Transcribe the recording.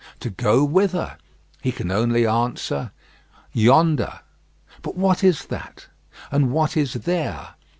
To go whither? He can only answer, "Yonder." But what is that? and what is there?